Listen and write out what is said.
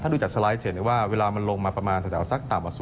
ดูจากสไลด์จะเห็นได้ว่าเวลามันลงมาประมาณแถวสักต่ำกว่า๐